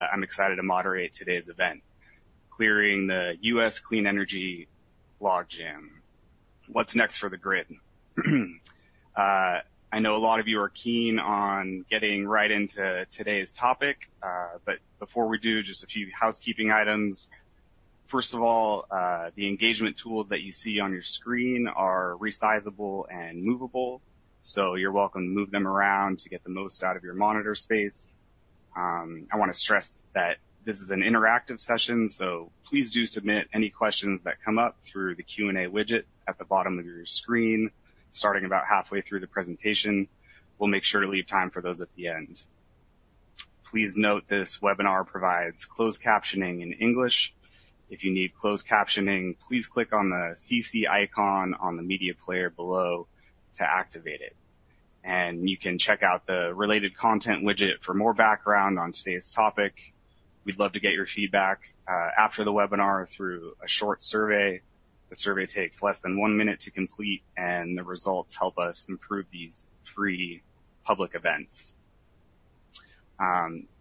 I'm excited to moderate today's event, Clearing the U.S. Clean Energy Logjam: What's Next for the Grid? I know a lot of you are keen on getting right into today's topic. But before we do, just a few housekeeping items. First of all, the engagement tools that you see on your screen are resizable and movable, so you're welcome to move them around to get the most out of your monitor space. I want to stress that this is an interactive session, so please do submit any questions that come up through the Q&A widget at the bottom of your screen. Starting about halfway through the presentation, we'll make sure to leave time for those at the end. Please note, this webinar provides closed captioning in English. If you need closed captioning, please click on the CC icon on the media player below to activate it. You can check out the related content widget for more background on today's topic. We'd love to get your feedback after the webinar through a short survey. The survey takes less than one minute to complete, and the results help us improve these free public events.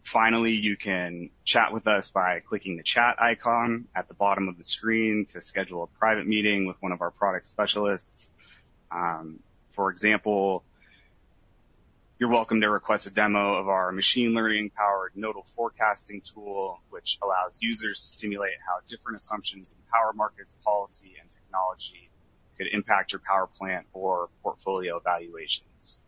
Finally, you can chat with us by clicking the chat icon at the bottom of the screen to schedule a private meeting with one of our product specialists. For example, you're welcome to request a demo of our machine learning-powered Nodal Forecasting tool, which allows users to simulate how different assumptions in power markets, policy, and technology could impact your power plant or portfolio evaluations.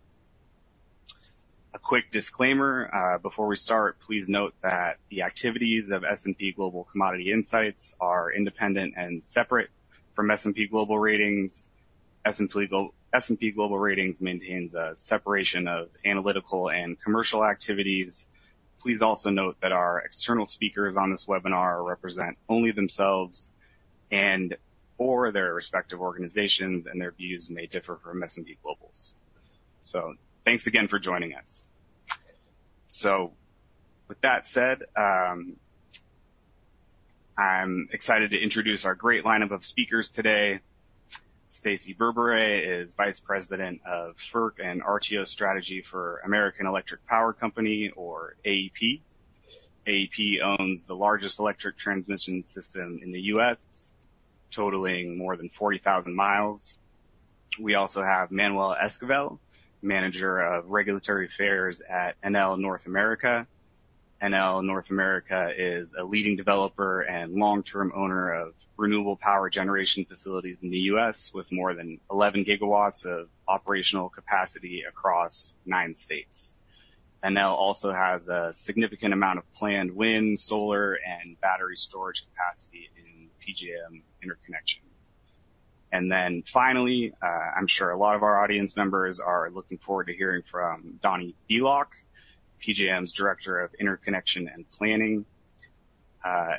A quick disclaimer before we start. Please note that the activities of S&P Global Commodity Insights are independent and separate from S&P Global Ratings. S&P Global, S&P Global Ratings maintains a separation of analytical and commercial activities. Please also note that our external speakers on this webinar represent only themselves and or their respective organizations, and their views may differ from S&P Global's. Thanks again for joining us. With that said, I'm excited to introduce our great lineup of speakers today. Stacey Burbure is Vice President of FERC and RTO Strategy for American Electric Power Company, or AEP. AEP owns the largest electric transmission system in the U.S., totaling more than 40,000 miles. We also have Manuel Esquivel, Manager of Regulatory Affairs at Enel North America. Enel North America is a leading developer and long-term owner of renewable power generation facilities in the U.S., with more than 11 gigawatts of operational capacity across nine states. Enel also has a significant amount of planned wind, solar, and battery storage capacity in PJM Interconnection. And then finally, I'm sure a lot of our audience members are looking forward to hearing from Donnie Bielak, PJM's Director of Interconnection Planning.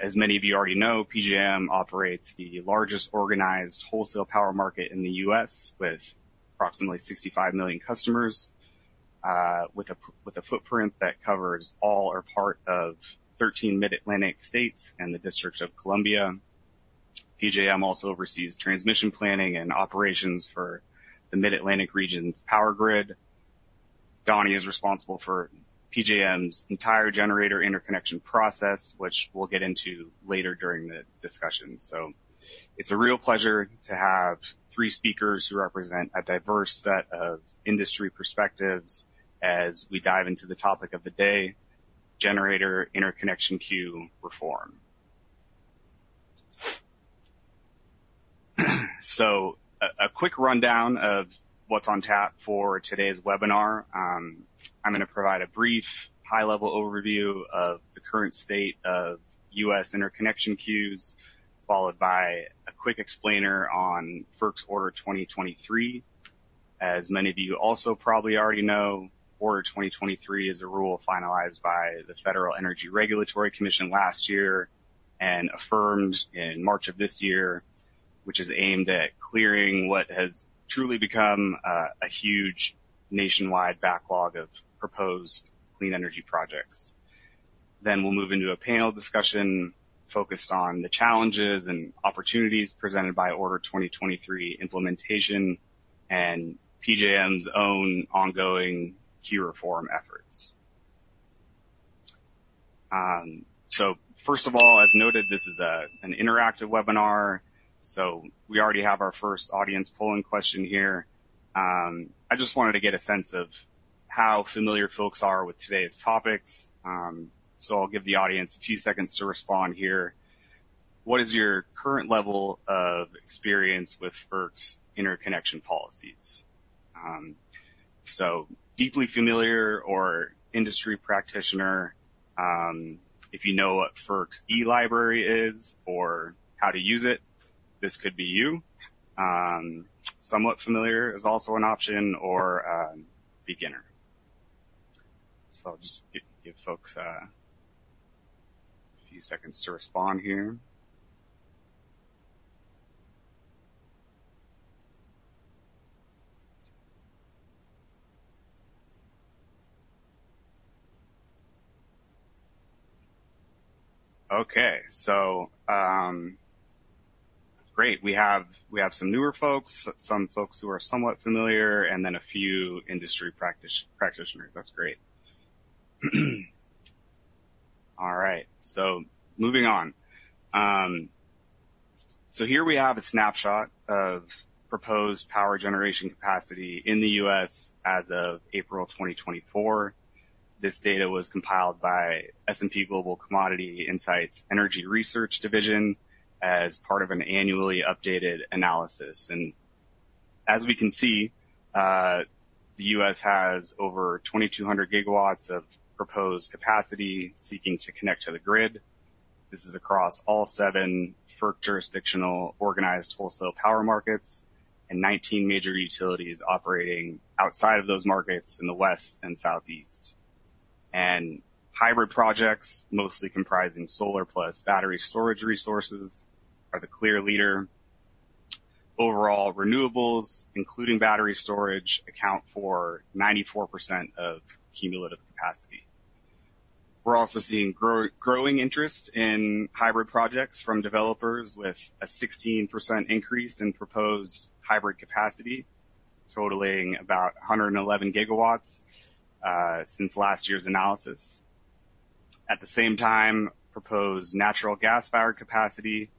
As many of you already know, PJM operates the largest organized wholesale power market in the U.S., with approximately 65 million customers, with a footprint that covers all or part of 13 Mid-Atlantic states and the District of Columbia. PJM also oversees transmission planning and operations for the Mid-Atlantic region's power grid. Donnie is responsible for PJM's entire generator interconnection process, which we'll get into later during the discussion. So it's a real pleasure to have three speakers who represent a diverse set of industry perspectives as we dive into the topic of the day: generator interconnection queue reform. So, a quick rundown of what's on tap for today's webinar. I'm going to provide a brief, high-level overview of the current state of U.S. interconnection queues, followed by a quick explainer on FERC's Order 2023. As many of you also probably already know, Order 2023 is a rule finalized by the Federal Energy Regulatory Commission last year and affirmed in March of this year, which is aimed at clearing what has truly become a huge nationwide backlog of proposed clean energy projects. Then we'll move into a panel discussion focused on the challenges and opportunities presented by Order 2023 implementation and PJM's own ongoing key reform efforts. So first of all, as noted, this is an interactive webinar, so we already have our first audience polling question here. I just wanted to get a sense of how familiar folks are with today's topics. So I'll give the audience a few seconds to respond here. What is your current level of experience with FERC's interconnection policies? So deeply familiar or industry practitioner. If you know what FERC's eLibrary is or how to use it, this could be you. Somewhat familiar is also an option or beginner. So I'll just give folks a few seconds to respond here. Okay. Great. We have some newer folks, some folks who are somewhat familiar, and then a few industry practitioners. That's great. All right, so moving on. So here we have a snapshot of proposed power generation capacity in the U.S. as of April 2024. This data was compiled by S&P Global Commodity Insights Energy Research Division as part of an annually updated analysis. As we can see, the US has over 2,200 gigawatts of proposed capacity seeking to connect to the grid. This is across all 7 FERC jurisdictional organized wholesale power markets and 19 major utilities operating outside of those markets in the West and Southeast. Hybrid projects, mostly comprising solar plus battery storage resources, are the clear leader. Overall, renewables, including battery storage, account for 94% of cumulative capacity. We're also seeing growing interest in hybrid projects from developers, with a 16% increase in proposed hybrid capacity, totaling about 111 gigawatts, since last year's analysis. At the same time, proposed natural gas-fired capacity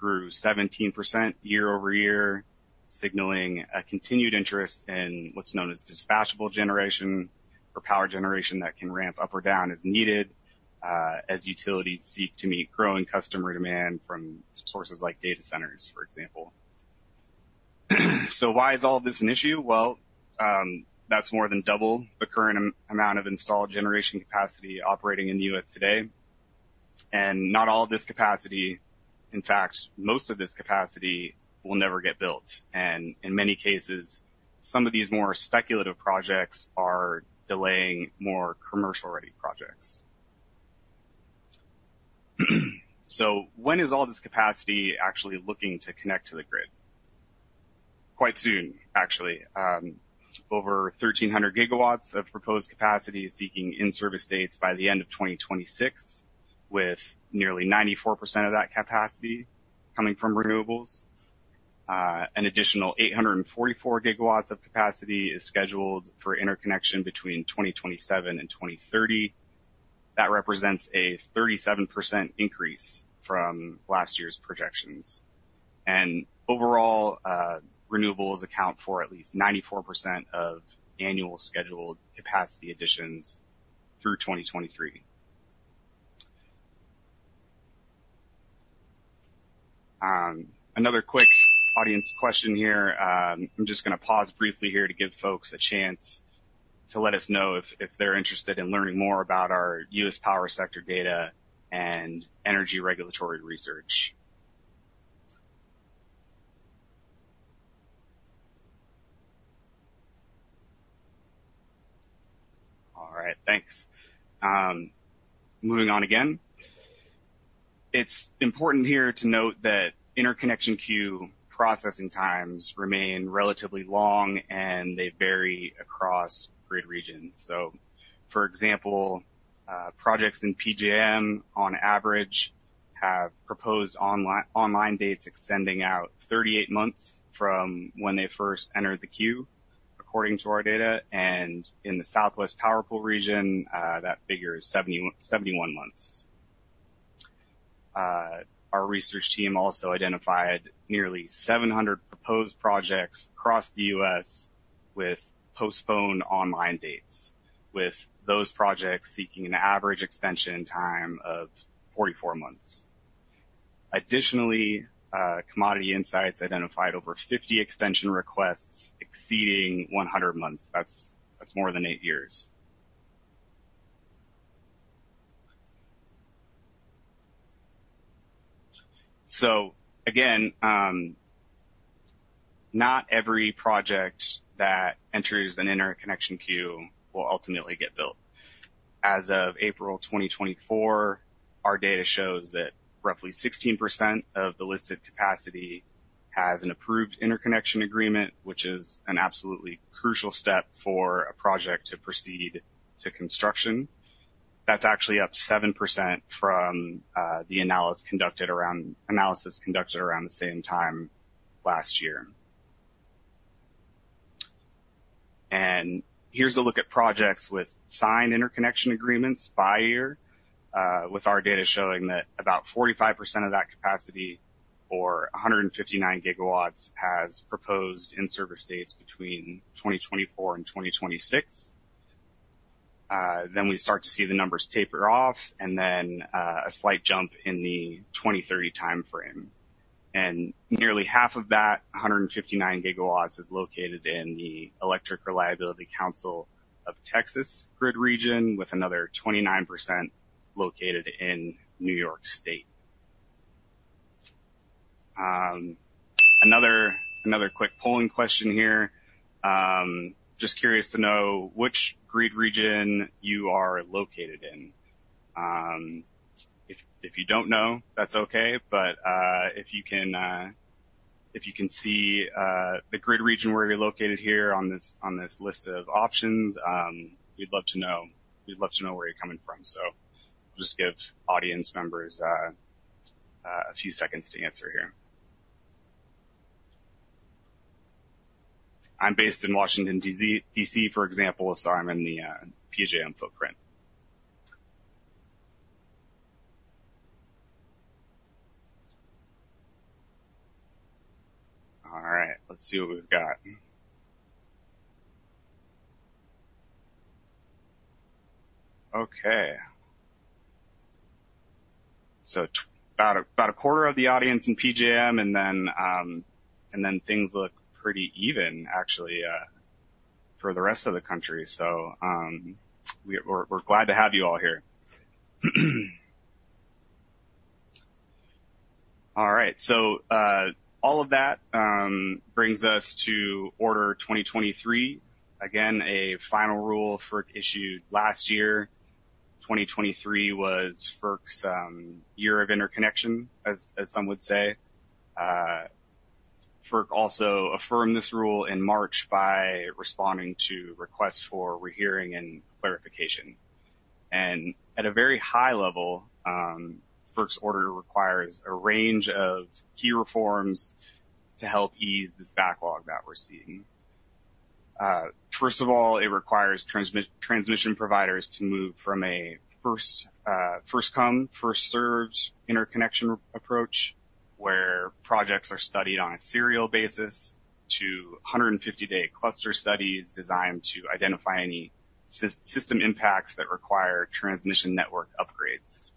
grew 17% year-over-year, signaling a continued interest in what's known as dispatchable generation, or power generation that can ramp up or down as needed, as utilities seek to meet growing customer demand from sources like data centers, for example. So why is all this an issue? Well, that's more than double the current amount of installed generation capacity operating in the U.S. today. And not all of this capacity, in fact, most of this capacity, will never get built, and in many cases, some of these more speculative projects are delaying more commercial-ready projects. So when is all this capacity actually looking to connect to the grid? Quite soon, actually. Over 1,300 gigawatts of proposed capacity is seeking in-service dates by the end of 2026, with nearly 94% of that capacity coming from renewables. An additional 844 gigawatts of capacity is scheduled for interconnection between 2027 and 2030. That represents a 37% increase from last year's projections. Overall, renewables account for at least 94% of annual scheduled capacity additions through 2023. Another quick audience question here. I'm just going to pause briefly here to give folks a chance to let us know if, if they're interested in learning more about our U.S. power sector data and energy regulatory research. All right, thanks. Moving on again. It's important here to note that interconnection queue processing times remain relatively long, and they vary across grid regions. So for example, projects in PJM, on average, have proposed online dates extending out 38 months from when they first entered the queue, according to our data, and in the Southwest Power Pool region, that figure is 71 months. Our research team also identified nearly 700 proposed projects across the U.S. with postponed online dates, with those projects seeking an average extension time of 44 months. Additionally, Commodity Insights identified over 50 extension requests exceeding 100 months. That's more than 8 years. So again, not every project that enters an interconnection queue will ultimately get built. As of April 2024, our data shows that roughly 16% of the listed capacity has an approved interconnection agreement, which is an absolutely crucial step for a project to proceed to construction. That's actually up 7% from the analysis conducted around the same time last year. And here's a look at projects with signed interconnection agreements by year, with our data showing that about 45% of that capacity, or 159 GW, has proposed in-service dates between 2024 and 2026. Then we start to see the numbers taper off and then a slight jump in the 2030 timeframe. And nearly half of that, 159 GW, is located in the Electric Reliability Council of Texas grid region, with another 29% located in New York State. Another quick polling question here. Just curious to know which grid region you are located in. If you don't know, that's okay, but if you can... If you can see the grid region where you're located here on this list of options, we'd love to know. We'd love to know where you're coming from. So just give audience members a few seconds to answer here. I'm based in Washington, D.C., for example, so I'm in the PJM footprint. All right, let's see what we've got. Okay. So about a quarter of the audience in PJM, and then things look pretty even actually for the rest of the country. So we're glad to have you all here. All right, so all of that brings us to Order 2023. Again, a final rule FERC issued last year. 2023 was FERC's year of interconnection, as some would say. FERC also affirmed this rule in March by responding to requests for rehearing and clarification. And at a very high level, FERC's order requires a range of key reforms to help ease this backlog that we're seeing. First of all, it requires transmission providers to move from a first-come, first-served interconnection approach, where projects are studied on a serial basis, to 150-day cluster studies designed to identify any system impacts that require transmission network upgrades.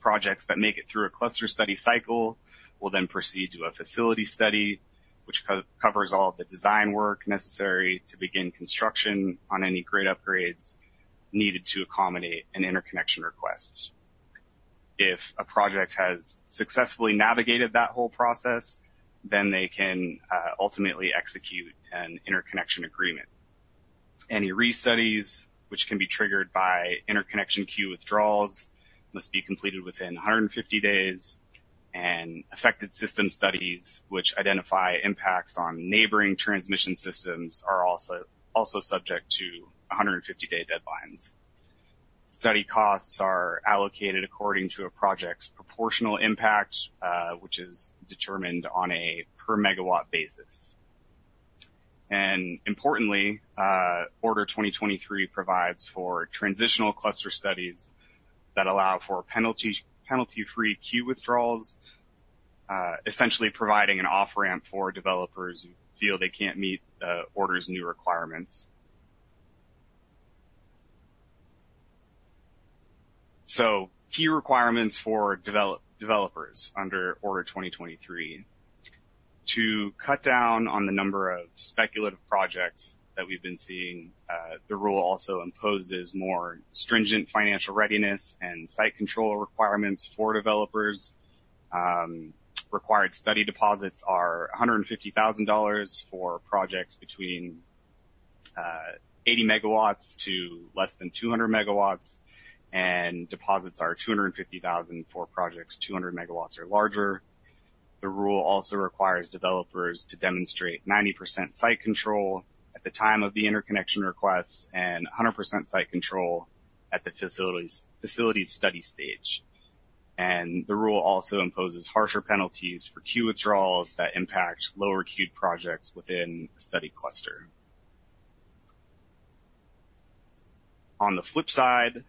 Projects that make it through a cluster study cycle will then proceed to a facility study, which covers all of the design work necessary to begin construction on any grid upgrades needed to accommodate an interconnection request. If a project has successfully navigated that whole process, then they can ultimately execute an interconnection agreement. Any re-studies, which can be triggered by interconnection queue withdrawals, must be completed within 150 days, and affected system studies, which identify impacts on neighboring transmission systems, are also subject to 150-day deadlines. Study costs are allocated according to a project's proportional impact, which is determined on a per megawatt basis. And importantly, Order 2023 provides for transitional cluster studies that allow for penalty-free queue withdrawals, essentially providing an off-ramp for developers who feel they can't meet the order's new requirements. So key requirements for developers under Order 2023. To cut down on the number of speculative projects that we've been seeing, the rule also imposes more stringent financial readiness and site control requirements for developers. Required study deposits are $150,000 for projects between 80 MW to less than 200 MW, and deposits are $250,000 for projects 200 MW or larger. The rule also requires developers to demonstrate 90% site control at the time of the interconnection request and 100% site control at the facilities study stage. The rule also imposes harsher penalties for queue withdrawals that impact lower queued projects within a study cluster. On the flip side,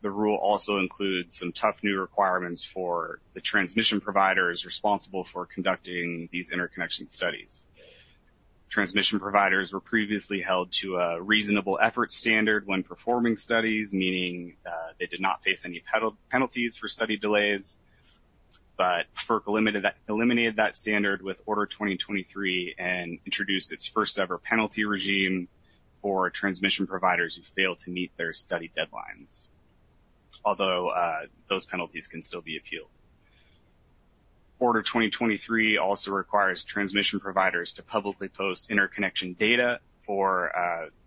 the rule also includes some tough new requirements for the transmission providers responsible for conducting these interconnection studies. Transmission providers were previously held to a reasonable effort standard when performing studies, meaning they did not face any penalties for study delays. But FERC limited that... eliminated that standard with Order 2023 and introduced its first-ever penalty regime for transmission providers who fail to meet their study deadlines. Although, those penalties can still be appealed. Order 2023 also requires transmission providers to publicly post interconnection data for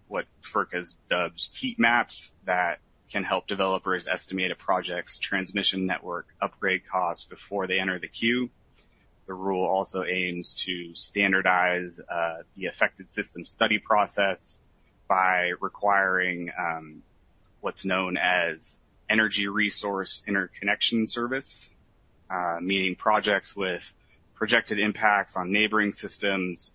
what FERC has dubbed heat maps that can help developers estimate a project's transmission network upgrade costs before they enter the queue. The rule also aims to standardize the affected system study process by requiring what's known as Energy Resource Interconnection Service, meaning projects with projected impacts on neighboring systems.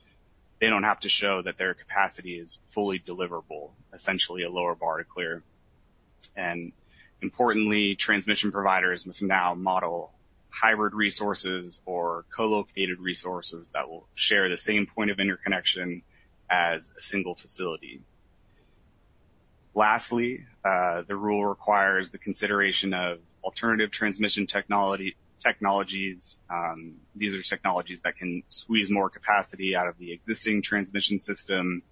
They don't have to show that their capacity is fully deliverable, essentially a lower bar to clear. And importantly, transmission providers must now model hybrid resources or co-located resources that will share the same point of interconnection as a single facility. Lastly, the rule requires the consideration of alternative transmission technology, technologies. These are technologies that can squeeze more capacity out of the existing transmission system,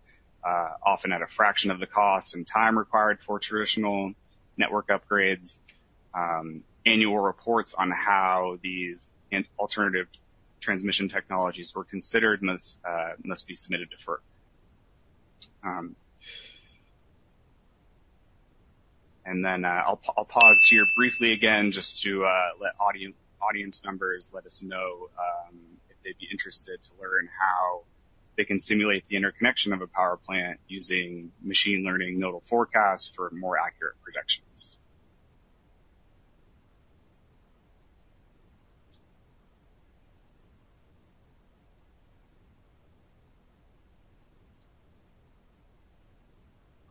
often at a fraction of the cost and time required for traditional network upgrades. Annual reports on how these an alternative transmission technologies were considered must, must be submitted to FERC. I'll pause here briefly again just to let audience members let us know if they'd be interested to learn how they can simulate the interconnection of a power plant using machine learning Nodal Forecasts for more accurate projections.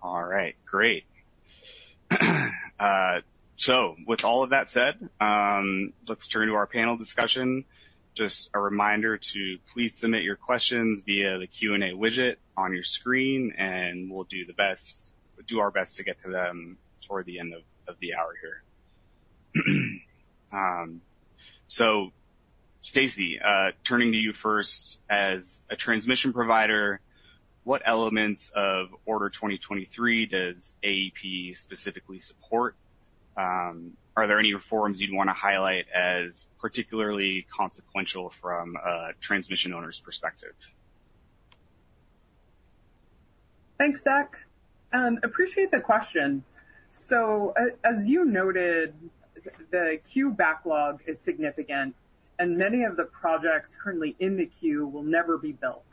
All right, great. With all of that said, let's turn to our panel discussion. Just a reminder to please submit your questions via the Q&A widget on your screen, and we'll do our best to get to them toward the end of the hour here. So Stacey, turning to you first. As a transmission provider, what elements of Order 2023 does AEP specifically support? Are there any reforms you'd want to highlight as particularly consequential from a transmission owner's perspective? Thanks, Zack, appreciate the question. So as you noted, the queue backlog is significant, and many of the projects currently in the queue will never be built.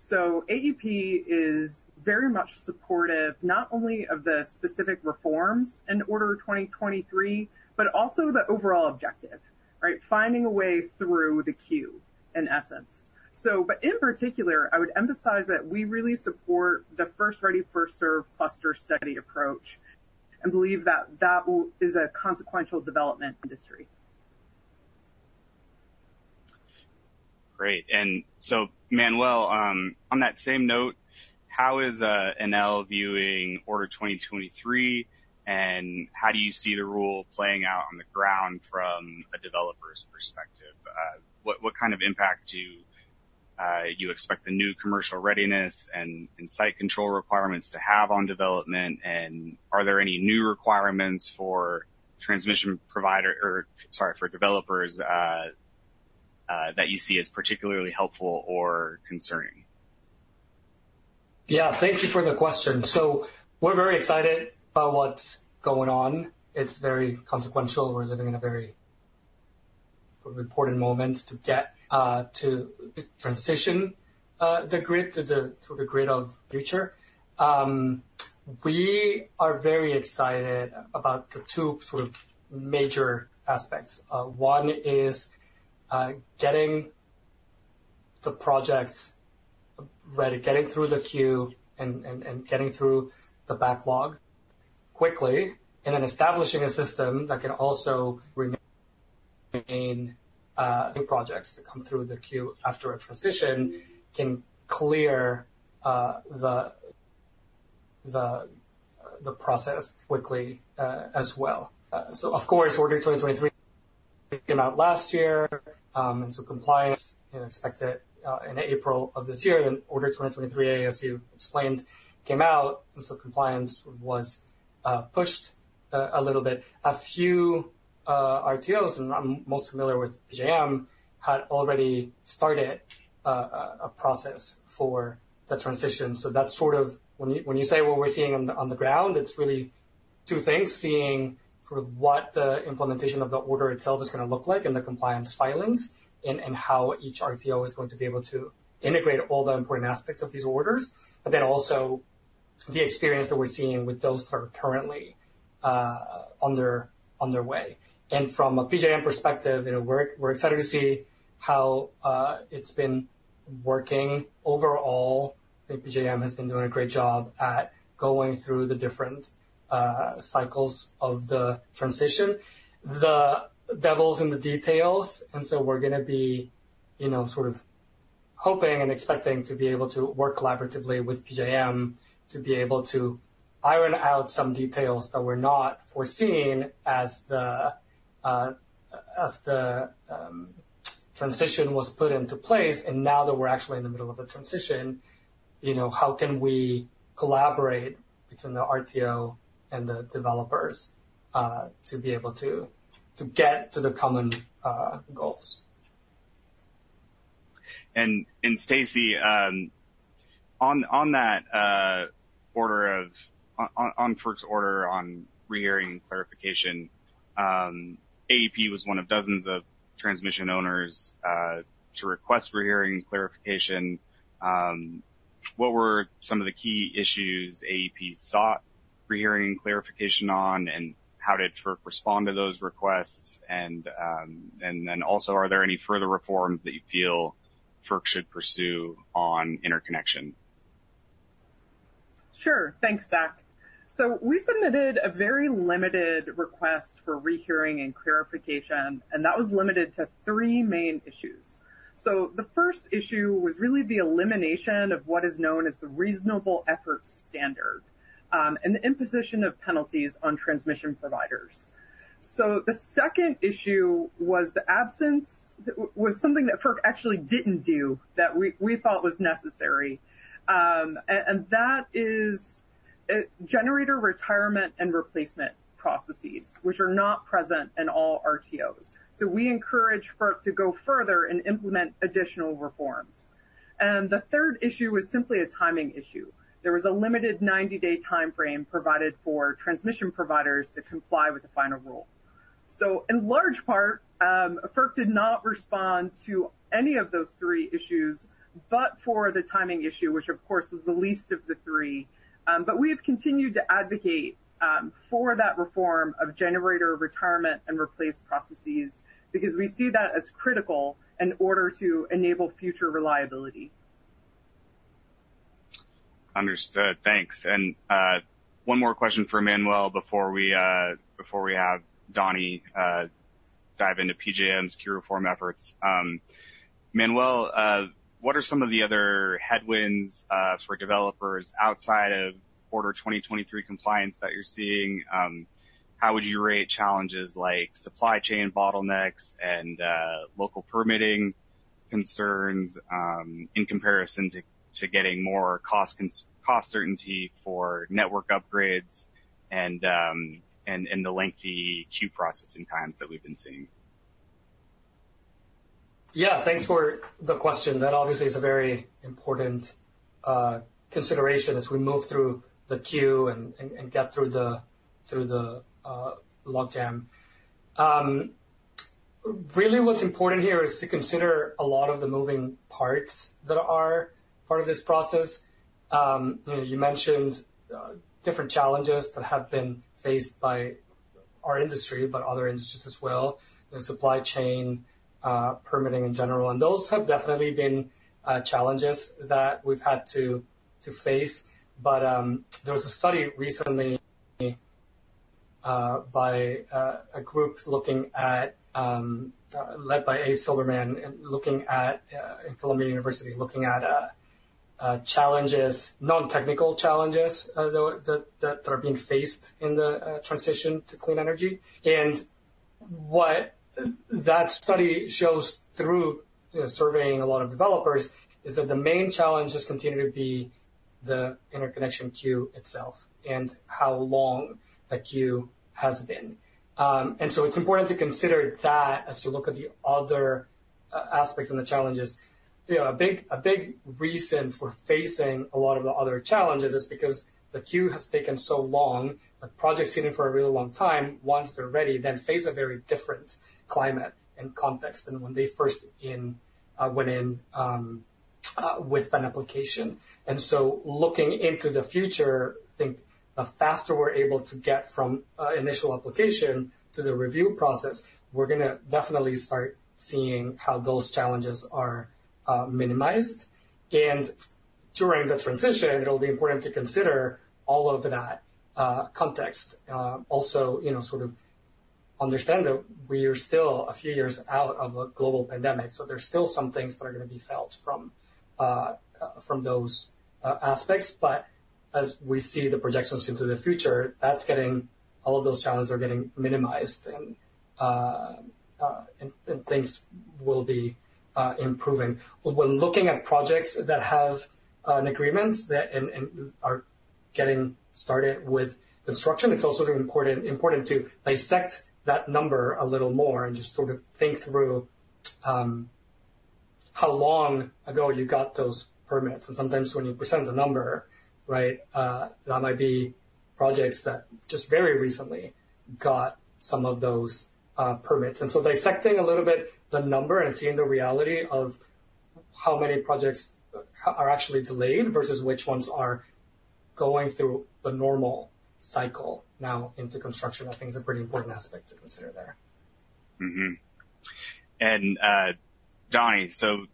So AEP is very much supportive, not only of the specific reforms in Order 2023, but also the overall objective, right? Finding a way through the queue, in essence. So, but in particular, I would emphasize that we really support the first ready, first-serve, cluster study approach, and believe that that will... Is a consequential development industry. Great. So, Manuel, on that same note, how is Enel viewing Order 2023, and how do you see the rule playing out on the ground from a developer's perspective? What kind of impact do you expect the new commercial readiness and site control requirements to have on development? And are there any new requirements for transmission provider, or sorry, for developers, that you see as particularly helpful or concerning? Yeah, thank you for the question. So we're very excited about what's going on. It's very consequential. We're living in a very important moment to get to transition the grid to the grid of future. We are very excited about the two sort of major aspects. One is getting the projects ready, getting through the queue and getting through the backlog quickly, and then establishing a system that can also remain new projects that come through the queue after a transition, can clear the process quickly as well. So of course, Order 2023 came out last year, and so compliance, you know, expected in April of this year. Then Order 2023, as you explained, came out, and so compliance was pushed a little bit. A few RTOs, and I'm most familiar with PJM, had already started a process for the transition. So that's sort of when you, when you say what we're seeing on the, on the ground, it's really two things: seeing sort of what the implementation of the order itself is gonna look like and the compliance filings, and how each RTO is going to be able to integrate all the important aspects of these orders. But then also the experience that we're seeing with those that are currently on their way. And from a PJM perspective, you know, we're excited to see how it's been working. Overall, I think PJM has been doing a great job at going through the different cycles of the transition. The devil's in the details, and so we're gonna be, you know, sort of hoping and expecting to be able to work collaboratively with PJM, to be able to iron out some details that were not foreseen as the transition was put into place. And now that we're actually in the middle of a transition, you know, how can we collaborate between the RTO and the developers, to be able to, to get to the common goals? Stacey, on FERC's order on rehearing clarification, AEP was one of dozens of transmission owners to request rehearing clarification. What were some of the key issues AEP sought rehearing clarification on, and how did FERC respond to those requests? And then also, are there any further reforms that you feel FERC should pursue on interconnection? Sure. Thanks, Zack. So we submitted a very limited request for rehearing and clarification, and that was limited to three main issues. So the first issue was really the elimination of what is known as the reasonable effort standard, and the imposition of penalties on transmission providers. So the second issue was the absence was something that FERC actually didn't do, that we thought was necessary, and that is generator retirement and replacement processes, which are not present in all RTOs. So we encourage FERC to go further and implement additional reforms. And the third issue is simply a timing issue. There was a limited 90-day timeframe provided for transmission providers to comply with the final rule. So in large part, FERC did not respond to any of those three issues, but for the timing issue, which of course, was the least of the three. But we have continued to advocate, for that reform of generator retirement and replace processes, because we see that as critical in order to enable future reliability. Understood. Thanks. One more question for Manuel before we have Donnie dive into PJM's key reform efforts. Manuel, what are some of the other headwinds for developers outside of Order 2023 compliance that you're seeing? How would you rate challenges like supply chain bottlenecks and local permitting concerns in comparison to getting more cost certainty for network upgrades and the lengthy queue processing times that we've been seeing? Yeah, thanks for the question. That obviously is a very important consideration as we move through the queue and get through the logjam. Really, what's important here is to consider a lot of the moving parts that are part of this process. You know, you mentioned different challenges that have been faced by our industry, but other industries as well, the supply chain, permitting in general, and those have definitely been challenges that we've had to face. But there was a study recently by a group led by Abe Silverman at Columbia University looking at non-technical challenges that are being faced in the transition to clean energy. And what that study shows through, you know, surveying a lot of developers, is that the main challenges continue to be the interconnection queue itself and how long the queue has been. And so it's important to consider that as we look at the other aspects and the challenges. You know, a big reason for facing a lot of the other challenges is because the queue has taken so long. The project's sitting for a really long time, once they're ready, then face a very different climate and context than when they first in, went in, with an application. And so looking into the future, I think the faster we're able to get from initial application to the review process, we're gonna definitely start seeing how those challenges are minimized. During the transition, it'll be important to consider all of that context. Also, you know, sort of understand that we are still a few years out of a global pandemic, so there's still some things that are going to be felt from those aspects. But as we see the projections into the future, that's getting... All of those challenges are getting minimized, and things will be improving. When looking at projects that have an agreement and are getting started with construction, it's also important to dissect that number a little more and just sort of think through how long ago you got those permits. And sometimes when you present a number, right, that might be projects that just very recently got some of those permits. And so dissecting a little bit the number and seeing the reality of how many projects are actually delayed versus which ones are going through the normal cycle now into construction, I think, is a pretty important aspect to consider there. Mm-hmm. And, Donnie, so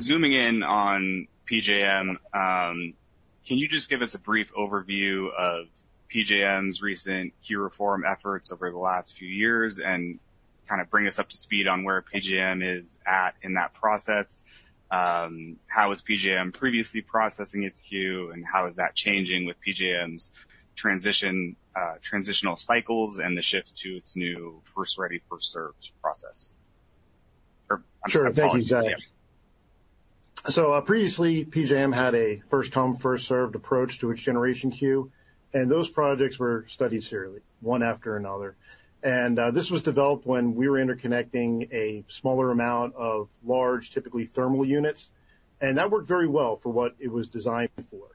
zooming in on PJM, can you just give us a brief overview of PJM's recent key reform efforts over the last few years and kind of bring us up to speed on where PJM is at in that process? How is PJM previously processing its queue, and how is that changing with PJM's transition, transitional cycles and the shift to its new first ready, first served process? Or- Sure. Thank you, Zack. Yeah. So previously, PJM had a first come, first served approach to its generation queue, and those projects were studied serially, one after another. This was developed when we were interconnecting a smaller amount of large, typically thermal units, and that worked very well for what it was designed for.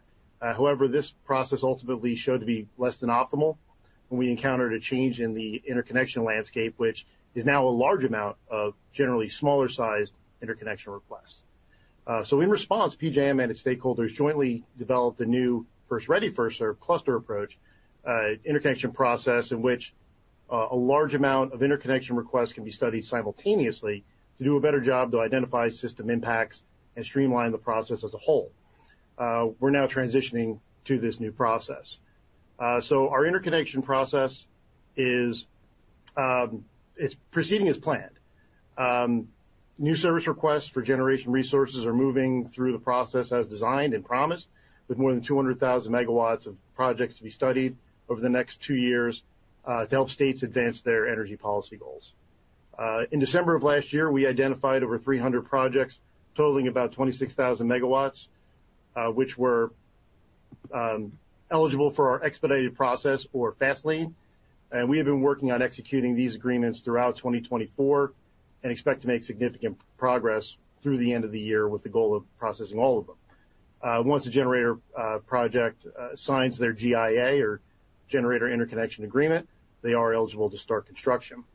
However, this process ultimately showed to be less than optimal, and we encountered a change in the interconnection landscape, which is now a large amount of generally smaller-sized interconnection requests. So in response, PJM and its stakeholders jointly developed a new first ready, first served cluster approach, interconnection process, in which, a large amount of interconnection requests can be studied simultaneously to do a better job to identify system impacts and streamline the process as a whole. We're now transitioning to this new process. So our interconnection process is, it's proceeding as planned. New service requests for generation resources are moving through the process as designed and promised, with more than 200,000 megawatts of projects to be studied over the next two years, to help states advance their energy policy goals. In December of last year, we identified over 300 projects totaling about 26,000 megawatts, which were eligible for our expedited process or fast lane. We have been working on executing these agreements throughout 2024 and expect to make significant progress through the end of the year, with the goal of processing all of them.... Once the generator project signs their GIA or Generator Interconnection Agreement, they are eligible to start construction.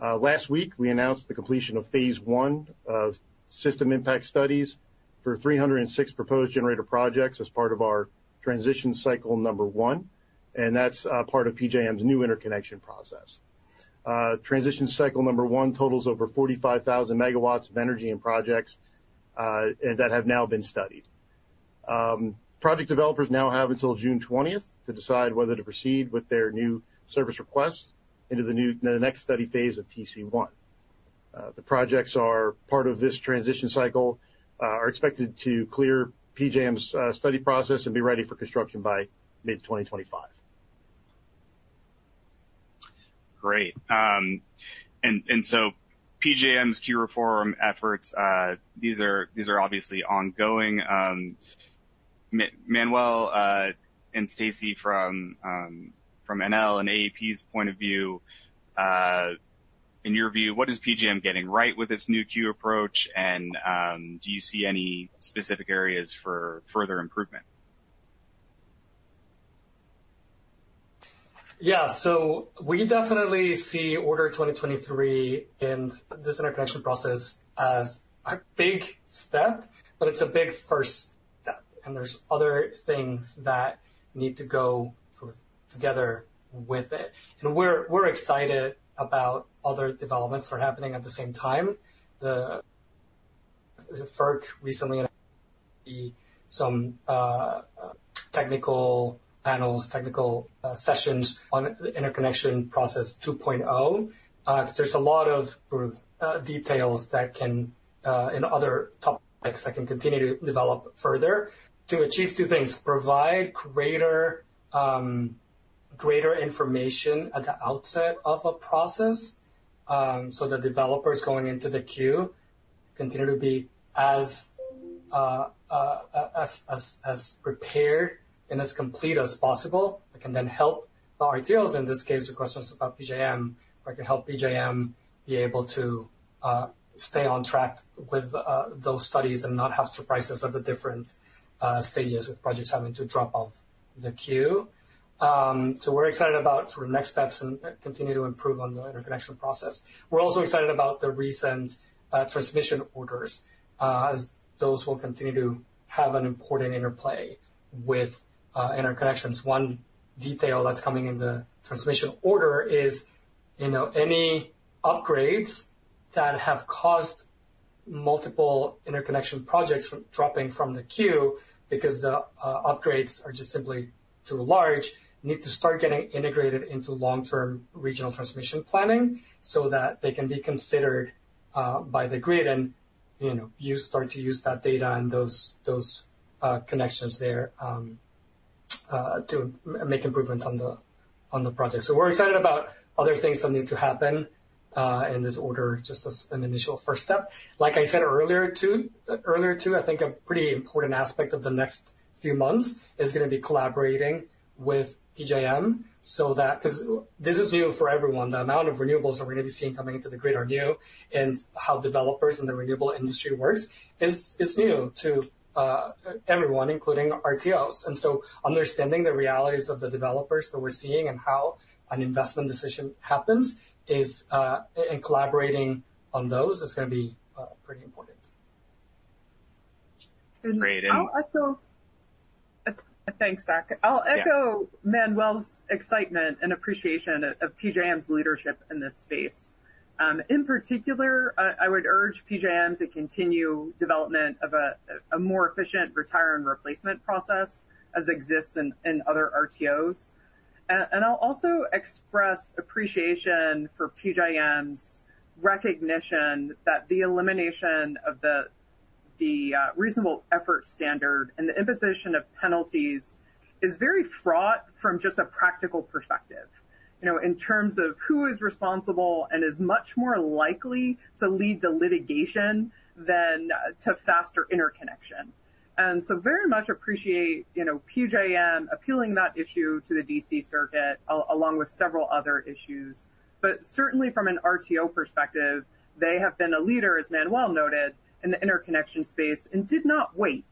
Last week, we announced the completion of phase 1 of system impact studies for 306 proposed generator projects as part of our transition cycle number 1, and that's part of PJM's new interconnection process. Transition cycle number 1 totals over 45,000 megawatts of energy and projects, and that have now been studied. Project developers now have until June 20th to decide whether to proceed with their new service request into the new- the next study phase of TC1. The projects are part of this transition cycle are expected to clear PJM's study process and be ready for construction by mid-2025. Great. PJM's queue reform efforts, these are obviously ongoing. Manuel and Stacey from Enel and AEP's point of view, in your view, what is PJM getting right with its new queue approach? And do you see any specific areas for further improvement? Yeah. So we definitely see Order 2023 and this interconnection process as a big step, but it's a big first step, and there's other things that need to go sort of together with it. We're excited about other developments that are happening at the same time. The FERC recently some technical panels, technical sessions on Interconnection Process 2.0. There's a lot of sort of details that can and other topics that can continue to develop further to achieve two things: provide greater information at the outset of a process, so the developers going into the queue continue to be as prepared and as complete as possible. It can then help our RTOs, in this case, requests about PJM, or it can help PJM be able to, stay on track with, those studies and not have surprises at the different, stages, with projects having to drop off the queue. So we're excited about sort of next steps and continue to improve on the interconnection process. We're also excited about the recent, transmission orders, as those will continue to have an important interplay with, interconnections. One detail that's coming in the transmission order is, you know, any upgrades that have caused multiple interconnection projects from dropping from the queue because the, upgrades are just simply too large, need to start getting integrated into long-term regional transmission planning so that they can be considered, by the grid. And, you know, you start to use that data and those connections there, to make improvements on the, on the project. So we're excited about other things that need to happen in this order, just as an initial first step. Like I said earlier, too, I think a pretty important aspect of the next few months is gonna be collaborating with PJM, so that... 'cause this is new for everyone. The amount of renewables that we're gonna be seeing coming into the grid are new, and how developers in the renewable industry works is new to everyone, including RTOs. And so understanding the realities of the developers that we're seeing and how an investment decision happens is, and collaborating on those is gonna be pretty important. Great. And- I'll echo. Thanks, Zack. Yeah. I'll echo Manuel's excitement and appreciation of PJM's leadership in this space. In particular, I would urge PJM to continue development of a more efficient retire and replacement process as exists in other RTOs. And I'll also express appreciation for PJM's recognition that the elimination of the Reasonable Effort Standard and the imposition of penalties is very fraught from just a practical perspective, you know, in terms of who is responsible and is much more likely to lead to litigation than to faster interconnection. And so very much appreciate, you know, PJM appealing that issue to the D.C. Circuit, along with several other issues. But certainly from an RTO perspective, they have been a leader, as Manuel noted, in the interconnection space, and did not wait,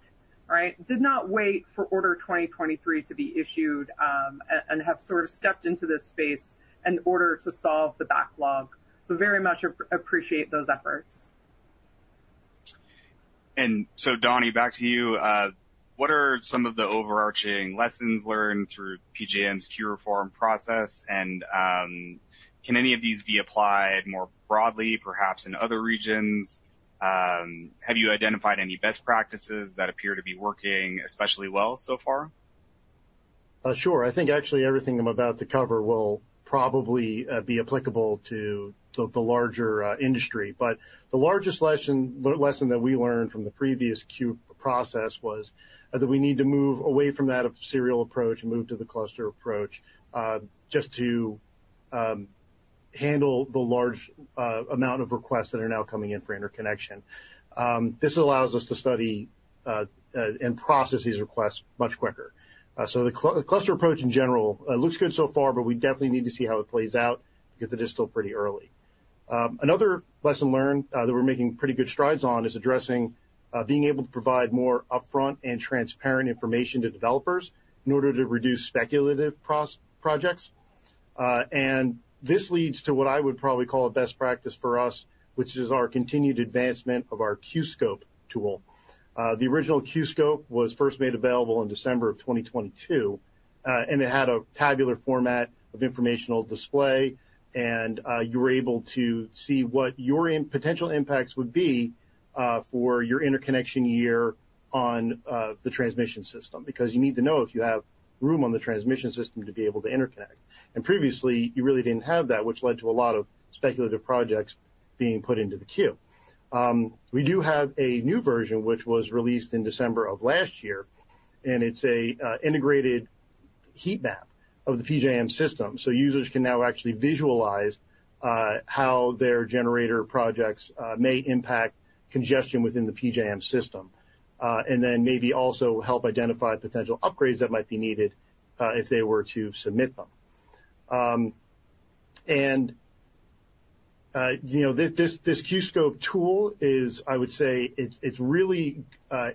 right? Did not wait for Order 2023 to be issued, and have sort of stepped into this space in order to solve the backlog. So very much appreciate those efforts. And so, Donnie, back to you. What are some of the overarching lessons learned through PJM's queue reform process? And, can any of these be applied more broadly, perhaps in other regions? Have you identified any best practices that appear to be working especially well so far? Sure. I think actually everything I'm about to cover will probably be applicable to the larger industry. But the largest lesson that we learned from the previous queue process was that we need to move away from that serial approach and move to the cluster approach just to handle the large amount of requests that are now coming in for interconnection. This allows us to study and process these requests much quicker. So the cluster approach in general looks good so far, but we definitely need to see how it plays out because it is still pretty early. Another lesson learned that we're making pretty good strides on is addressing being able to provide more upfront and transparent information to developers in order to reduce speculative projects. This leads to what I would probably call a best practice for us, which is our continued advancement of our Queue Scope tool. The original Queue Scope was first made available in December 2022, and it had a tabular format of informational display. You were able to see what your potential impacts would be for your interconnection year on the transmission system, because you need to know if you have room on the transmission system to be able to interconnect. Previously, you really didn't have that, which led to a lot of speculative projects being put into the queue. We do have a new version, which was released in December of last year, and it's a integrated heat map of the PJM system. So users can now actually visualize how their generator projects may impact congestion within the PJM system. And then maybe also help identify potential upgrades that might be needed if they were to submit them. And, you know, this Queue Scope tool is I would say it's really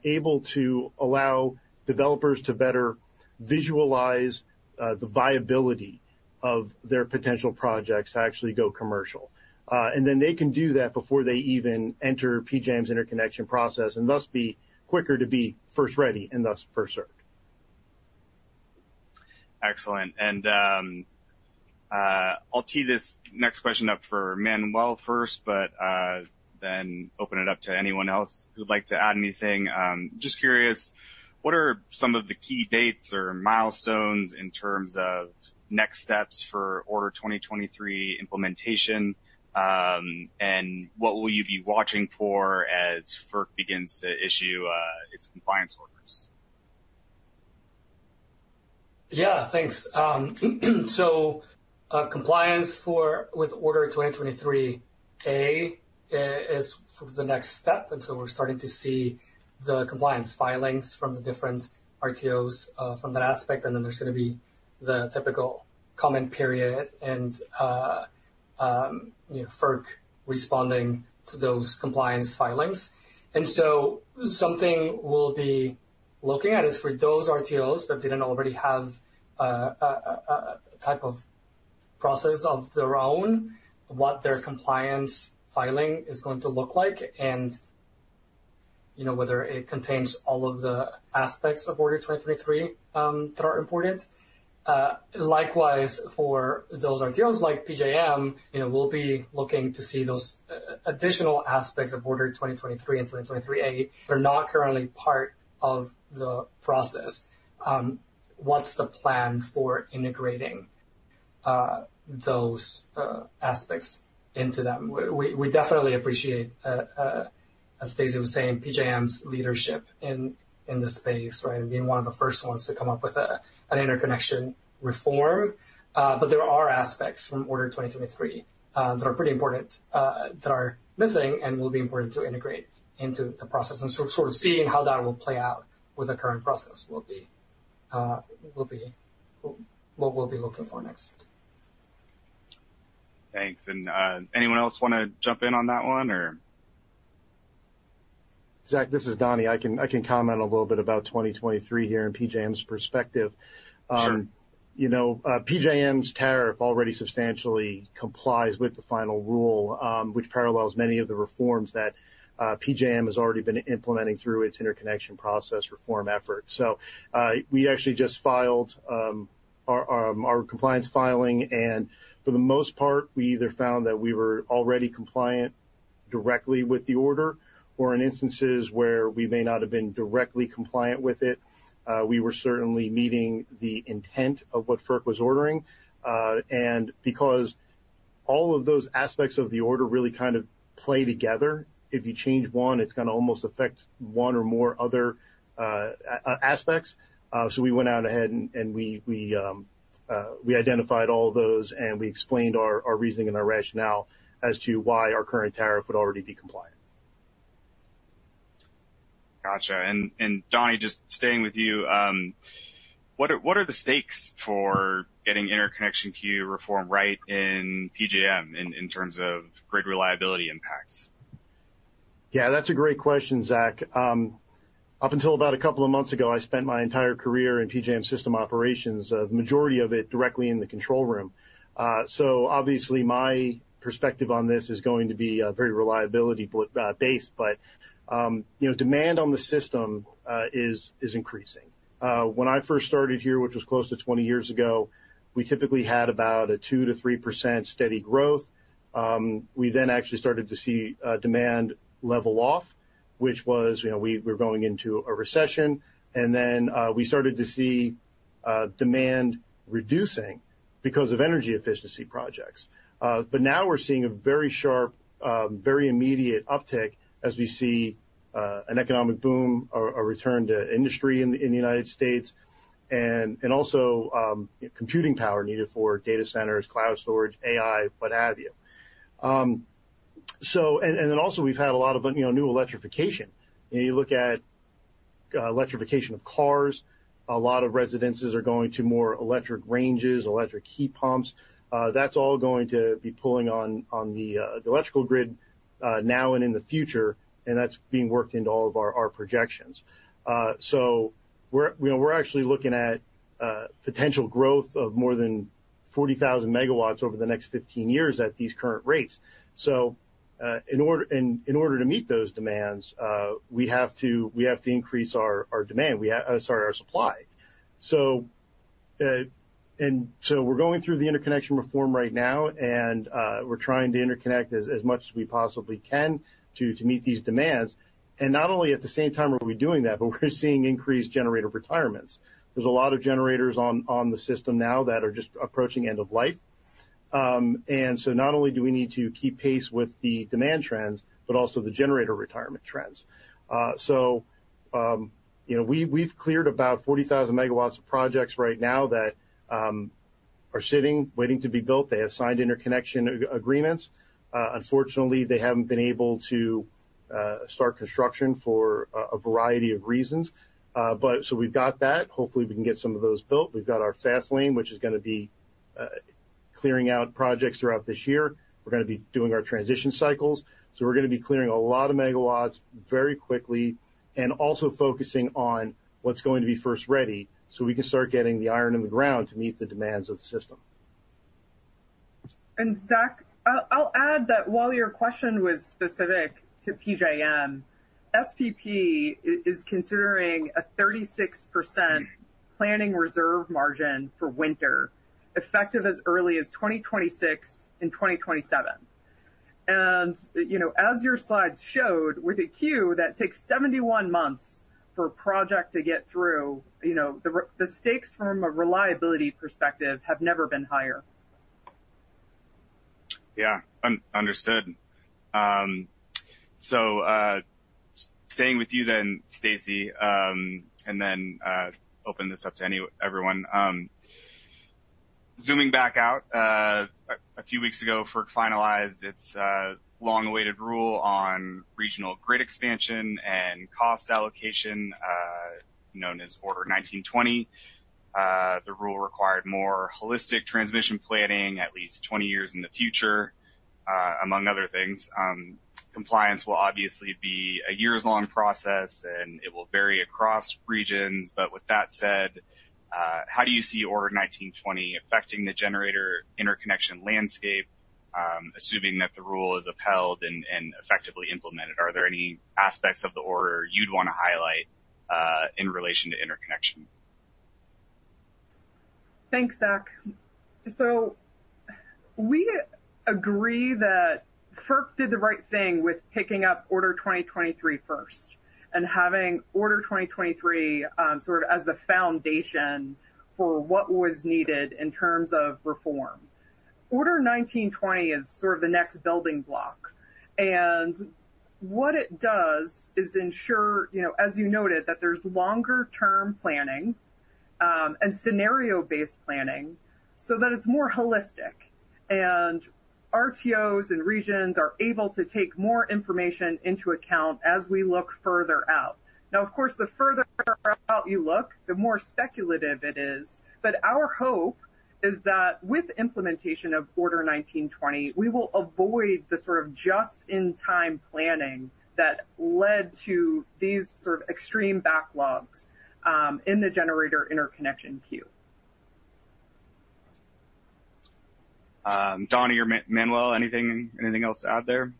able to allow developers to better visualize the viability of their potential projects to actually go commercial. And then they can do that before they even enter PJM's interconnection process, and thus be quicker to be first ready, and thus, first served. Excellent. And, I'll tee this next question up for Manuel first, but, then open it up to anyone else who'd like to add anything. Just curious, what are some of the key dates or milestones in terms of next steps for Order 2023 implementation? And what will you be watching for as FERC begins to issue, its compliance orders? Yeah, thanks. So, compliance with Order 2023-A is sort of the next step, and so we're starting to see the compliance filings from the different RTOs from that aspect. And then there's gonna be the typical comment period and, you know, FERC responding to those compliance filings. And so something we'll be looking at is for those RTOs that didn't already have a type of process of their own, what their compliance filing is going to look like, and, you know, whether it contains all of the aspects of Order 2023 that are important. Likewise, for those RTOs like PJM, you know, we'll be looking to see those additional aspects of Order 2023 and 2023-A. They're not currently part of the process. What's the plan for integrating those aspects into them? We definitely appreciate, as Stacey was saying, PJM's leadership in this space, right? And being one of the first ones to come up with an interconnection reform. But there are aspects from Order 2023 that are pretty important that are missing and will be important to integrate into the process. And so sort of seeing how that will play out with the current process will be what we'll be looking for next. Thanks. And, anyone else want to jump in on that one, or? Zach, this is Donnie. I can comment a little bit about 2023 here and PJM's perspective. Sure. You know, PJM's tariff already substantially complies with the final rule, which parallels many of the reforms that PJM has already been implementing through its interconnection process reform effort. So, we actually just filed our compliance filing, and for the most part, we either found that we were already compliant directly with the order, or in instances where we may not have been directly compliant with it, we were certainly meeting the intent of what FERC was ordering. And because all of those aspects of the order really kind of play together, if you change one, it's gonna almost affect one or more other aspects. So we went out ahead and we identified all those, and we explained our reasoning and our rationale as to why our current tariff would already be compliant. Gotcha. And Donnie, just staying with you, what are the stakes for getting interconnection queue reform right in PJM, in terms of grid reliability impacts? Yeah, that's a great question, Zack. Up until about a couple of months ago, I spent my entire career in PJM system operations, the majority of it directly in the control room. So obviously, my perspective on this is going to be very reliability based. But you know, demand on the system is increasing. When I first started here, which was close to 20 years ago, we typically had about a 2%-3% steady growth. We then actually started to see demand level off, which was you know, we were going into a recession. And then we started to see demand reducing because of energy efficiency projects. But now we're seeing a very sharp, very immediate uptick as we see an economic boom, a return to industry in the United States, and also computing power needed for data centers, cloud storage, AI, what have you. So and then also, we've had a lot of, you know, new electrification. When you look at electrification of cars. A lot of residences are going to more electric ranges, electric heat pumps. That's all going to be pulling on the electrical grid now and in the future, and that's being worked into all of our projections. So we're, you know, we're actually looking at potential growth of more than 40,000 MW over the next 15 years at these current rates. In order, and in order to meet those demands, we have to, we have to increase our demand. Sorry, our supply. We're going through the interconnection reform right now, and we're trying to interconnect as much as we possibly can to meet these demands. And not only at the same time are we doing that, but we're seeing increased generator retirements. There's a lot of generators on the system now that are just approaching end of life. Not only do we need to keep pace with the demand trends, but also the generator retirement trends. You know, we've cleared about 40,000 megawatts of projects right now that are sitting, waiting to be built. They have signed interconnection agreements. Unfortunately, they haven't been able to start construction for a variety of reasons. So we've got that. Hopefully, we can get some of those built. We've got our fast lane, which is gonna be clearing out projects throughout this year. We're gonna be doing our transition cycles, so we're gonna be clearing a lot of megawatts very quickly and also focusing on what's going to be first ready, so we can start getting the iron in the ground to meet the demands of the system. Zach, I'll add that while your question was specific to PJM, SPP is considering a 36% planning reserve margin for winter, effective as early as 2026 and 2027. You know, as your slides showed, with a queue that takes 71 months for a project to get through, you know, the stakes from a reliability perspective have never been higher. Yeah, understood. So, staying with you then, Stacey, and then open this up to everyone. Zooming back out, a few weeks ago, FERC finalized its long-awaited rule on regional grid expansion and cost allocation, known as Order 1920. The rule required more holistic transmission planning at least 20 years in the future, among other things. Compliance will obviously be a years-long process, and it will vary across regions. But with that said, how do you see Order 1920 affecting the generator interconnection landscape, assuming that the rule is upheld and effectively implemented? Are there any aspects of the order you'd want to highlight in relation to interconnection? Thanks, Zach. So we agree that FERC did the right thing with picking up Order 2023 first and having Order 2023, sort of as the foundation for what was needed in terms of reform. Order 1920 is sort of the next building block, and what it does is ensure, you know, as you noted, that there's longer-term planning, and scenario-based planning so that it's more holistic, and RTOs and regions are able to take more information into account as we look further out. Now, of course, the further out you look, the more speculative it is. But our hope is that with implementation of Order 1920, we will avoid the sort of just-in-time planning that led to these sort of extreme backlogs, in the generator interconnection queue. Donnie or Manuel, anything, anything else to add there?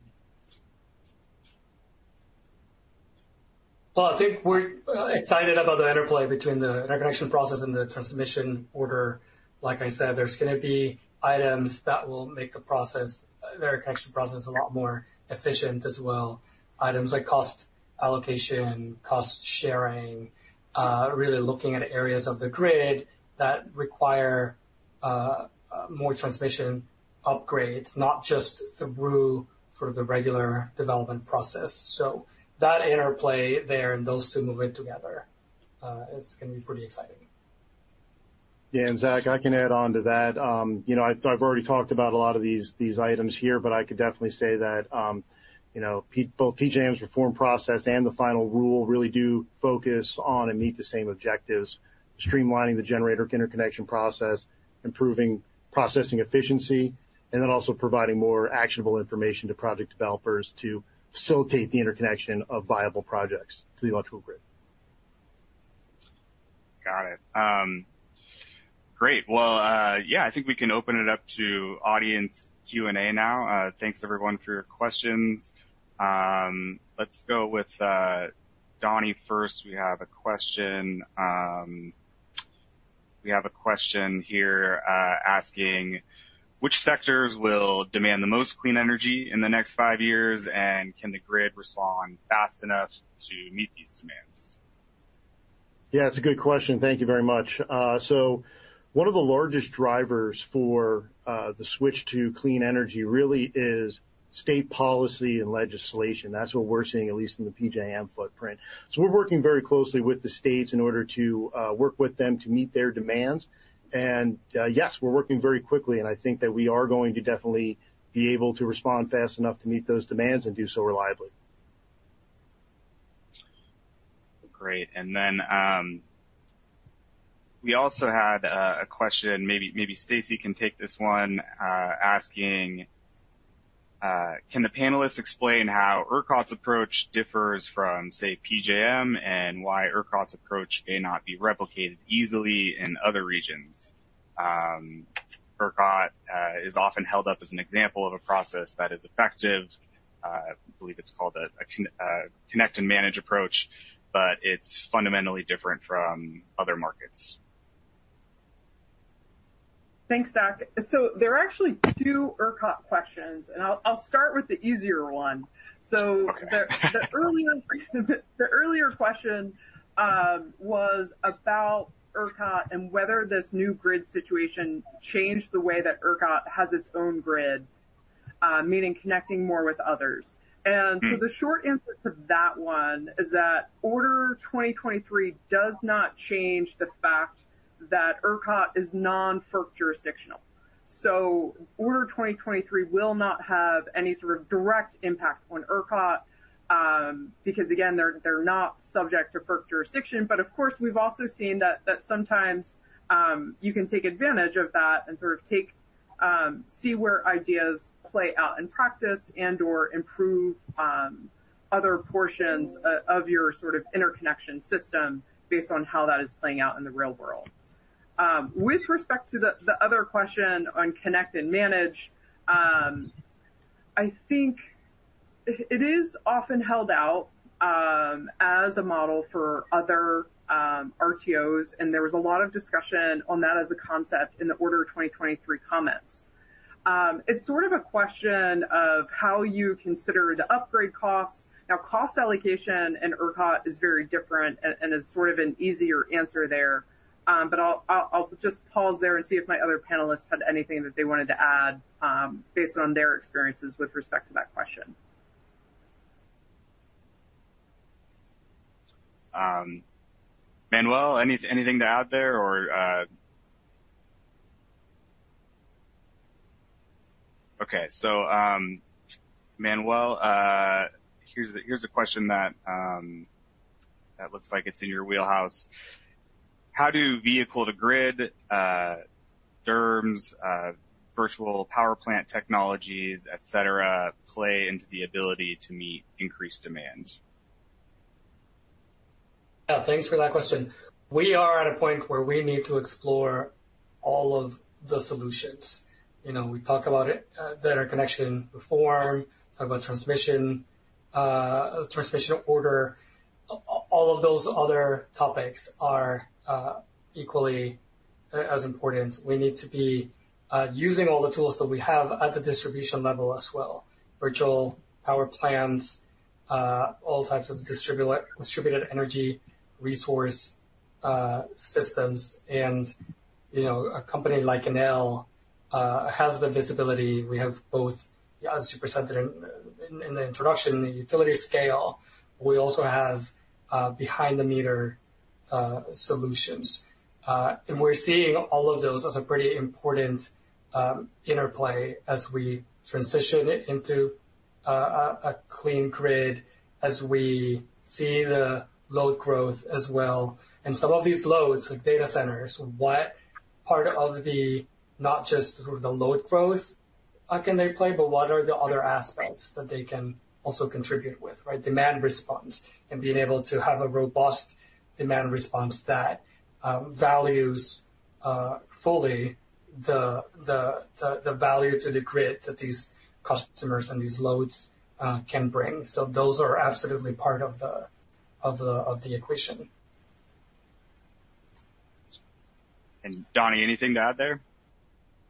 Well, I think we're excited about the interplay between the interconnection process and the transmission order. Like I said, there's gonna be items that will make the process, the interconnection process, a lot more efficient as well. Items like cost allocation, cost sharing, really looking at areas of the grid that require more transmission upgrades, not just through for the regular development process. So that interplay there and those two moving together is gonna be pretty exciting. Yeah, and Zack, I can add on to that. You know, I've already talked about a lot of these items here, but I could definitely say that, you know, both PJM's reform process and the final rule really do focus on and meet the same objectives: streamlining the generator interconnection process, improving processing efficiency, and then also providing more actionable information to project developers to facilitate the interconnection of viable projects to the electrical grid. Got it. Great. Well, yeah, I think we can open it up to audience Q&A now. Thanks, everyone, for your questions. Let's go with Donnie first. We have a question. We have a question here, asking: Which sectors will demand the most clean energy in the next five years, and can the grid respond fast enough to meet these demands? Yeah, it's a good question. Thank you very much. So one of the largest drivers for the switch to clean energy really is state policy and legislation. That's what we're seeing, at least in the PJM footprint. So we're working very closely with the states in order to work with them to meet their demands. And yes, we're working very quickly, and I think that we are going to definitely be able to respond fast enough to meet those demands and do so reliably. And then, we also had a question, maybe Stacey can take this one, asking: Can the panelists explain how ERCOT's approach differs from, say, PJM, and why ERCOT's approach may not be replicated easily in other regions? ERCOT is often held up as an example of a process that is effective. I believe it's called a connect and manage approach, but it's fundamentally different from other markets. Thanks, Zack. So there are actually two ERCOT questions, and I'll start with the easier one. So the earlier question was about ERCOT and whether this new grid situation changed the way that ERCOT has its own grid, meaning connecting more with others. And so the short answer to that one is that Order 2023 does not change the fact that ERCOT is non-FERC jurisdictional. So Order 2023 will not have any sort of direct impact on ERCOT, because, again, they're not subject to FERC jurisdiction. But of course, we've also seen that sometimes you can take advantage of that and sort of take see where ideas play out in practice and/or improve other portions of your sort of interconnection system based on how that is playing out in the real world. With respect to the other question on Connect and Manage, I think it is often held out as a model for other RTOs, and there was a lot of discussion on that as a concept in the Order of 2023 comments. It's sort of a question of how you consider the upgrade costs. Now, cost allocation in ERCOT is very different and is sort of an easier answer there. But I'll just pause there and see if my other panelists had anything that they wanted to add based on their experiences with respect to that question. Manuel, anything to add there, or... Okay, so, Manuel, here's a question that looks like it's in your wheelhouse: How do vehicle-to-grid, DERMS, virtual power plant technologies, et cetera, play into the ability to meet increased demand? Yeah, thanks for that question. We are at a point where we need to explore all of the solutions. You know, we talked about it, the interconnection reform, talked about transmission, transmission order. All of those other topics are equally as important. We need to be using all the tools that we have at the distribution level as well. Virtual power plants, all types of distributed energy resource systems. And, you know, a company like Enel has the visibility. We have both, as you presented in the introduction, the utility scale. We also have behind-the-meter solutions. And we're seeing all of those as a pretty important interplay as we transition into a clean grid, as we see the load growth as well. Some of these loads, like data centers, what part of the... not just the load growth, can they play, but what are the other aspects that they can also contribute with, right? Demand response, and being able to have a robust demand response that values fully the value to the grid that these customers and these loads can bring. So those are absolutely part of the equation. Donnie, anything to add there?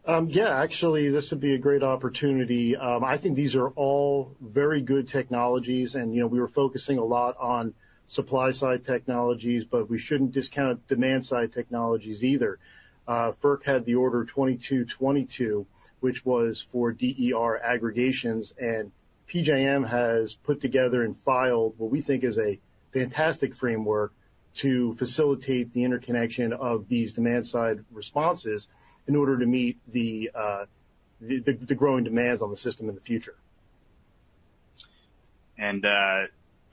Yeah, actually, this would be a great opportunity. I think these are all very good technologies, and, you know, we were focusing a lot on supply-side technologies, but we shouldn't discount demand-side technologies either. FERC had the Order 2222, which was for DER aggregations, and PJM has put together and filed what we think is a fantastic framework to facilitate the interconnection of these demand-side responses in order to meet the growing demands on the system in the future.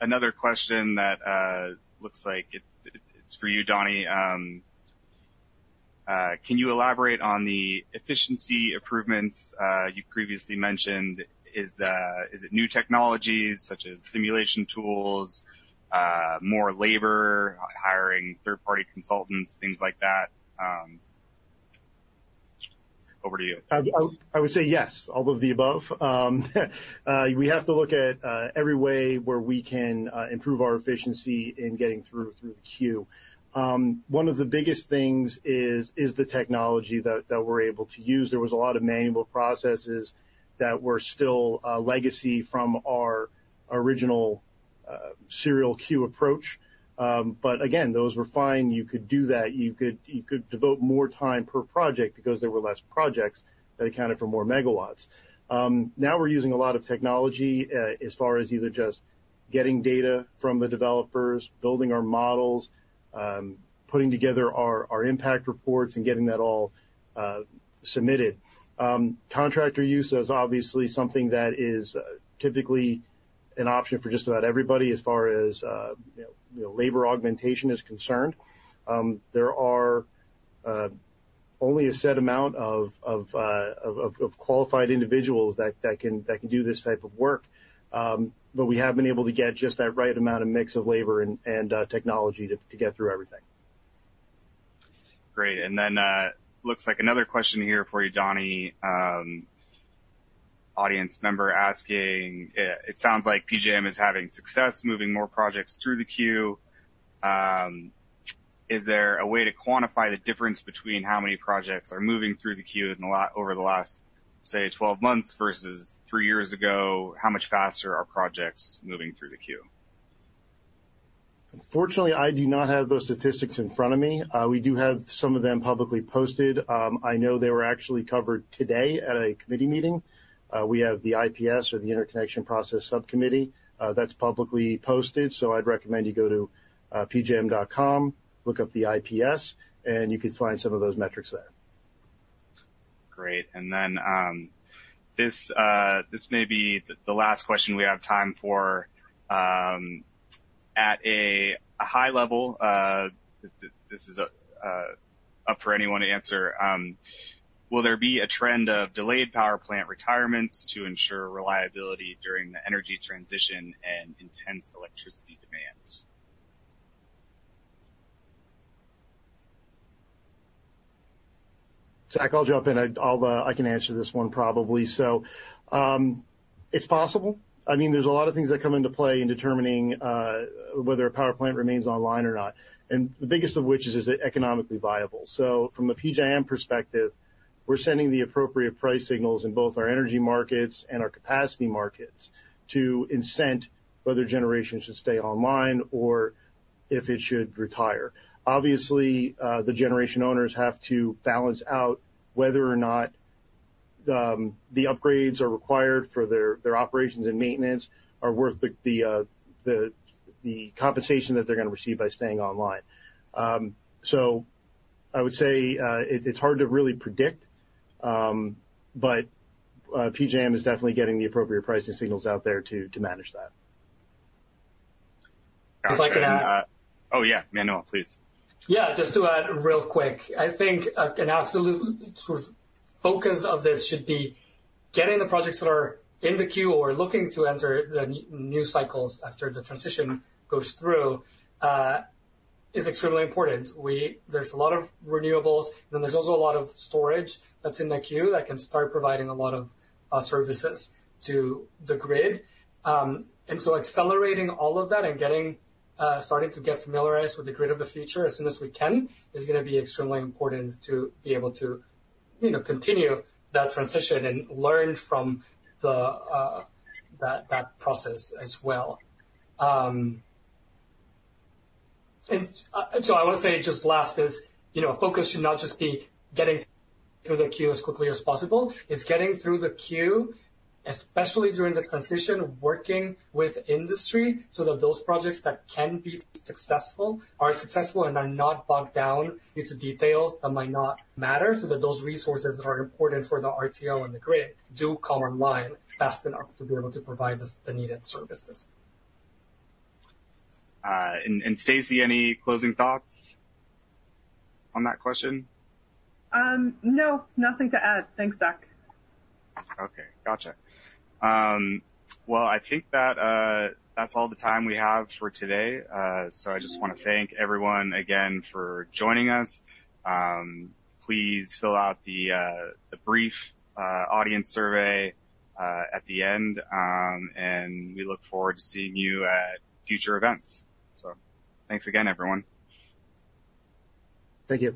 Another question that looks like it's for you, Donnie. Can you elaborate on the efficiency improvements you previously mentioned? Is it new technologies such as simulation tools, more labor, hiring third-party consultants, things like that? Over to you. I would say yes, all of the above. We have to look at every way where we can improve our efficiency in getting through the queue. One of the biggest things is the technology that we're able to use. There was a lot of manual processes that were still legacy from our original serial queue approach. But again, those were fine. You could do that. You could devote more time per project because there were less projects that accounted for more megawatts. Now we're using a lot of technology as far as either just getting data from the developers, building our models, putting together our impact reports and getting that all submitted. Contractor use is obviously something that is typically an option for just about everybody as far as you know, labor augmentation is concerned. There are only a set amount of qualified individuals that can do this type of work. But we have been able to get just that right amount of mix of labor and technology to get through everything. Great. And then, looks like another question here for you, Donnie. Audience member asking, "It sounds like PJM is having success moving more projects through the queue. Is there a way to quantify the difference between how many projects are moving through the queue over the last, say, 12 months versus 3 years ago? How much faster are projects moving through the queue? Unfortunately, I do not have those statistics in front of me. We do have some of them publicly posted. I know they were actually covered today at a committee meeting. We have the IPS, or the Interconnection Process Subcommittee. That's publicly posted, so I'd recommend you go to PJM.com, look up the IPS, and you can find some of those metrics there. Great. And then, this may be the last question we have time for. At a high level, this is up for anyone to answer: Will there be a trend of delayed power plant retirements to ensure reliability during the energy transition and intense electricity demand? Zack, I'll jump in. I can answer this one probably. So, it's possible. I mean, there's a lot of things that come into play in determining whether a power plant remains online or not, and the biggest of which is, is it economically viable? So from a PJM perspective, we're sending the appropriate price signals in both our energy markets and our capacity markets to incent whether generation should stay online or if it should retire. Obviously, the generation owners have to balance out whether or not the upgrades are required for their operations and maintenance are worth the compensation that they're gonna receive by staying online. So I would say, it's hard to really predict, but PJM is definitely getting the appropriate pricing signals out there to manage that. If I can add- Oh, yeah. Manuel, please. Yeah, just to add real quick, I think an absolute sort of focus of this should be getting the projects that are in the queue or looking to enter the new cycles after the transition goes through is extremely important. There's a lot of renewables, and then there's also a lot of storage that's in the queue that can start providing a lot of services to the grid. And so accelerating all of that and starting to get familiarized with the grid of the future as soon as we can is gonna be extremely important to be able to, you know, continue that transition and learn from that process as well. And so I wanna say just last is, you know, focus should not just be getting through the queue as quickly as possible. It's getting through the queue, especially during the transition, working with industry, so that those projects that can be successful are successful and are not bogged down into details that might not matter, so that those resources that are important for the RTO and the grid do come online fast enough to be able to provide the needed services. And Stacey, any closing thoughts on that question? No, nothing to add. Thanks, Zack. Okay, gotcha. Well, I think that that's all the time we have for today. So I just wanna thank everyone again for joining us. Please fill out the brief audience survey at the end. And we look forward to seeing you at future events. So thanks again, everyone. Thank you.